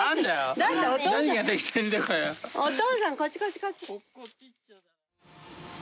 お父さんこっちこっちこっち。